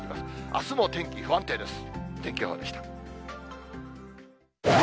あすも天気不安定です。